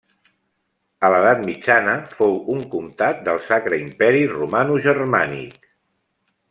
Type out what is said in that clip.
A l'edat mitjana fou un comtat del Sacre Imperi Romanogermànic.